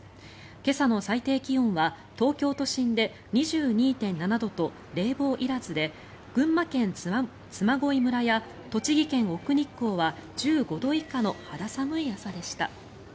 今朝の最低気温は東京都心で２２．７度と冷房いらずで群馬県嬬恋村や栃木県・奥日光は１５度以下の肌寒い朝でした。